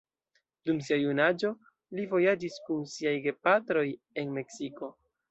Dum sia junaĝo li vojaĝis kun siaj gepatroj en Meksiko.